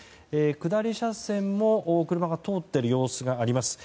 下り車線も車が通っている様子があります。